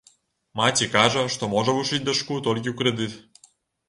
Маці кажа, што можа вучыць дачку толькі ў крэдыт.